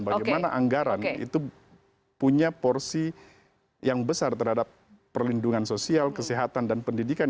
bagaimana anggaran itu punya porsi yang besar terhadap perlindungan sosial kesehatan dan pendidikan